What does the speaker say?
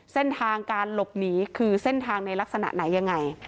เส้นทางการหลบหนีคือเส้นทางในลักษณะไหนยังไง